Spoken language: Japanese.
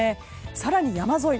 更に、山沿い